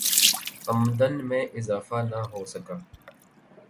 امدن میں اضافہ نہ ہوسکا